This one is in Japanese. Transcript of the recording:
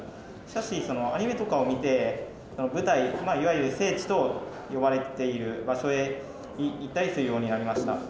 しかしアニメとかを見て舞台いわゆる聖地と呼ばれている場所へ行ったりするようになりました。